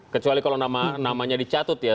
kecuali kalau namanya dicatut ya